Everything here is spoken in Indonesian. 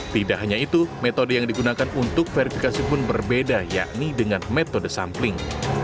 tidak hanya itu metode yang digunakan untuk verifikasi pun berbeda yakni dengan metode sampling